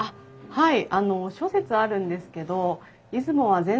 はい。